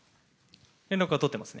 連絡は取っていますね。